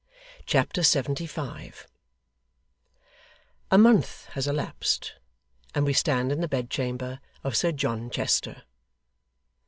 Chapter 75 A month has elapsed, and we stand in the bedchamber of Sir John Chester.